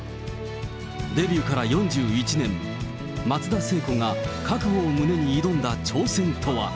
デビューから４１年、松田聖子が覚悟を胸に挑んだ挑戦とは。